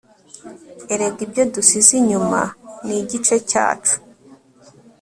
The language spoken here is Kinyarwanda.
erega ibyo dusize inyuma ni igice cyacu